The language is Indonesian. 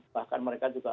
bahkan mereka juga